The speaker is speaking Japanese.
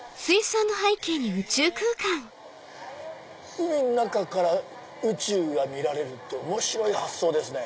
海の中から宇宙が見られるって面白い発想ですね。